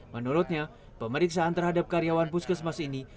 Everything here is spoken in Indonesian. menurutnya pemeriksaan terhadap karyawan puskesmas ini